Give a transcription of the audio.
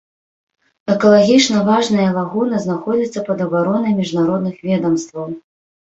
Экалагічна важныя лагуны знаходзяцца пад абаронай міжнародных ведамстваў.